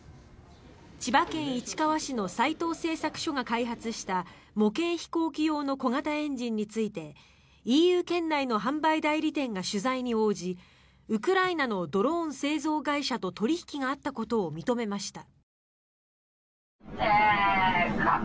千葉県市川市の斎藤製作所が開発した模型飛行機用の小型エンジンについてＥＵ圏内の販売代理店が取材に応じウクライナのドローン製造会社と取引があったことを認めました。